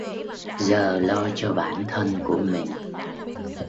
giờ lo cho bản thân của mình